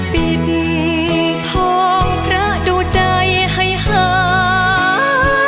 ปิดทองพระดูใจให้หา